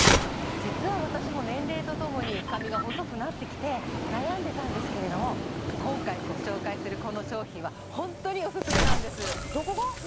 実は私も年齢とともに髪が細くなってきて悩んでたんですけれども今回ご紹介するこの商品はホントにオススメなんですどこが？